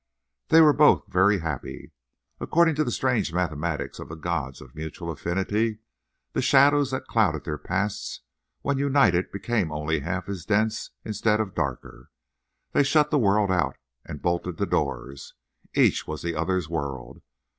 They were both very happy. According to the strange mathematics of the god of mutual affinity, the shadows that clouded their pasts when united became only half as dense instead of darker. They shut the world out and bolted the doors. Each was the other's world.